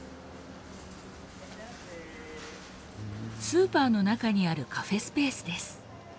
スーパーの中にあるカフェスペースです。